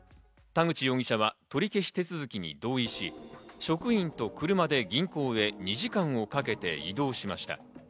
田口容疑者は取り消し手続きに同意し、職員と車で銀行へ２時間をかけて移動しました。